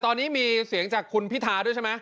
ตอนนี้มีเสียงจากคุณพิธาด้วยใช่ไหม